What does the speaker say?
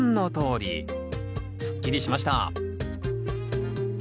すっきりしました。